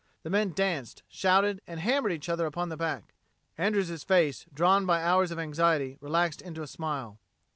The men danced, shouted, and hammered each other upon the back. Andrews' face, drawn by hours of anxiety, relaxed into a smile.